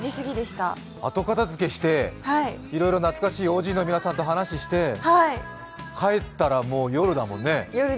後片づけして、いろいろ懐かしいＯＧの人たちと話をして、帰ったらもう夜だもんね。